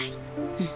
うん。